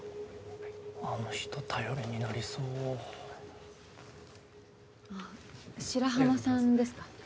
あの人頼りになりそうああ白浜さんですか？